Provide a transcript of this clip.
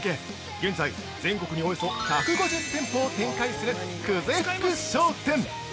現在、全国におよそ１５０店舗を展開する久世福商店。